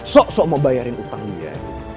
sok sok mau bayarin utang dia